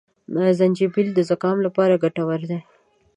زنجپيل د زکام لپاره ګټور دي